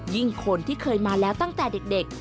คนที่เคยมาแล้วตั้งแต่เด็ก